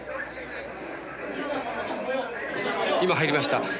今入りました。